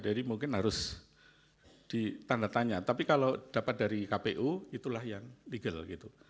jadi mungkin harus ditanda tanya tapi kalau dapat dari kpu itulah yang legal gitu